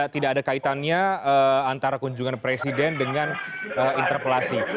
tidak ada kaitannya antara kunjungan presiden dengan interpelasi